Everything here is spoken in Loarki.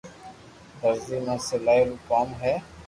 درزي ما سلائي رو ڪوم ھي